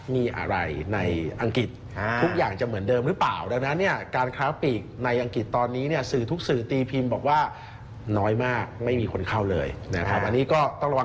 ไม่มีคนเข้าเลยอันนี้ก็ต้องระวัง